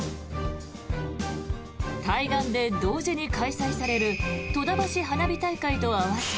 対岸で同時に開催される戸田橋花火大会と合わせ